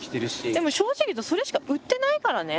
でも正直言うとそれしか売ってないからね。